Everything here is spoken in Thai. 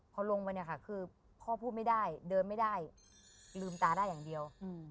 พอลงไปเนี่ยค่ะคือพ่อพูดไม่ได้เดินไม่ได้ลืมตาได้อย่างเดียว